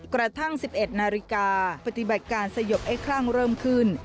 กระทั่ง๑๑นาฬิกาปฏิบัติการสยบไอ้คลั่งเริ่มขึ้น